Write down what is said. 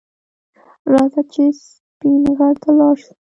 راځه چې سپین غر ته لاړ شو